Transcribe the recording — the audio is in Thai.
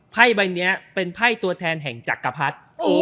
ไพ่ไุ้นี้เป็นไพ่ตัวแทนแห่งจักรพรรษ